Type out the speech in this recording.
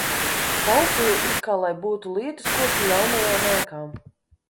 Taupīja it kā lai būtu lietas koki jaunajām ēkām.